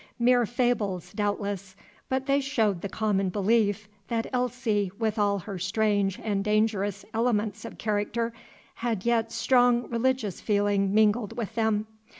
Mere fables, doubtless; but they showed the common belief, that Elsie, with all her strange and dangerous elements of character, had yet strong religious feeling mingled with them.